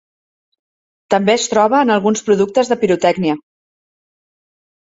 També es troba en alguns productes de pirotècnia.